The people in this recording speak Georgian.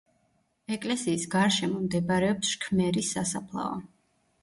ეკლესიის გარშემო მდებარეობს შქმერის სასაფლაო.